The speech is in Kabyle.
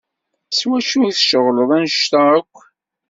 S wacu i tceɣleḍ anect-a akk?